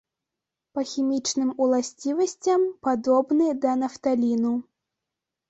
Па хімічным уласцівасцям падобны да нафталіну.